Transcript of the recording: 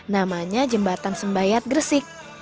namanya jembatan sembayat gresik